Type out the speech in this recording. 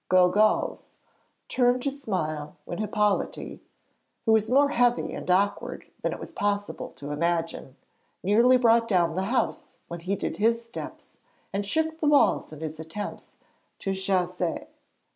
Gogault's turn to smile when Hippolyte, who was more heavy and awkward than it was possible to imagine, nearly brought down the house when he did his steps, and shook the walls in his attempts to chasser.